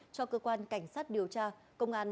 cho cơ quan cảnh sát điều tra công an